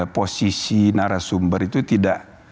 posisi narasumber itu tidak